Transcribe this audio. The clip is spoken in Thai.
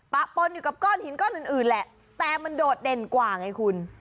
ปะปนอยู่กับก้อนหินก้อนอื่นแหละแต่มันโดดเด่นกว่าไงคุณ